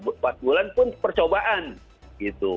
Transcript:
empat bulan pun percobaan gitu